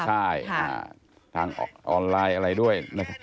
ใช่ทางออนไลน์อะไรด้วย